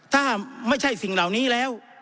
ถ้าไม่ใช่สิ่งเหล่านี้แล้ว